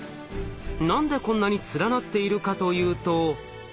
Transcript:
何でこんなに連なっているかというと。